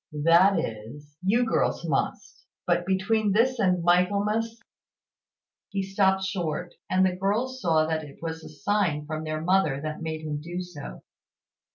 That is, you girls must; but between this and Michaelmas " He stopped short, and the girls saw that it was a sign from their mother that made him do so.